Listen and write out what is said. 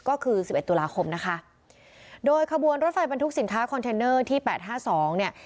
ก็คือ๑๑ตุลาคมนะคะโดยขบวนรถไฟบรรทุกสินค้าคอนเทนเนอร์ที่๘๕๒เนี่ย